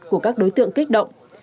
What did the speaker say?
của các đối tượng kích động